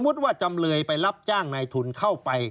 ว่าจำเลยไปรับจ้างในทุนเข้าไป